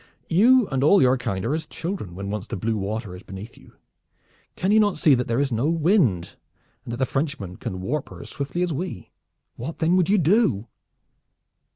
"You and all your kind are as children when once the blue water is beneath you. Can you not see that there is no wind, and that the Frenchman can warp her as swiftly as we? What then would you do?"